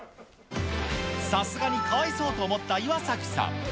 さすがにかわいそうと思った岩崎さん。